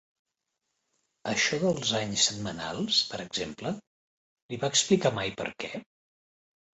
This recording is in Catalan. Això dels anys setmanals, per exemple, li va explicar mai per què?